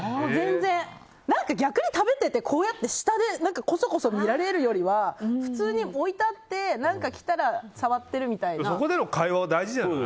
逆に食べててこうやって下でこそこそ見られるよりは普通に置いてあって何か来たらそこでの会話は大事じゃない？